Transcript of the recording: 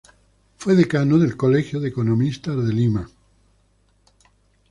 Fue decano del Colegio de Economistas de Lima.